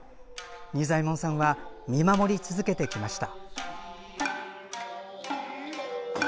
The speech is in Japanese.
仁左衛門さんは見守り続けてきました。